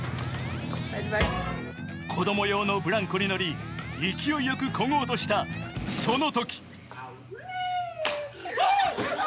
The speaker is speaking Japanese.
子供用のブランコにのり勢いよく漕ごうとしたそのとき。